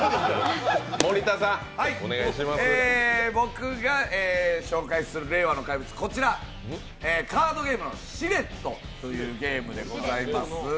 僕が紹介する令和の怪物、カードゲームの「シレット」というゲームでございます。